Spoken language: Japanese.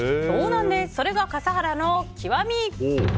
それが笠原の極み。